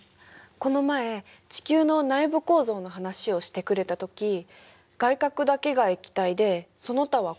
この前地球の内部構造の話をしてくれたとき外殻だけが液体でその他は固体だって言ってたでしょう。